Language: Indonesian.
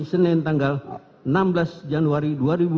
senin tanggal enam belas januari dua ribu dua puluh